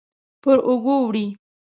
پر اوږو وړي